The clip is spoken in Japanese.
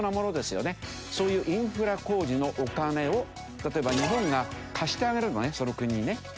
そういうインフラ工事のお金を例えば日本が貸してあげるのねその国にね。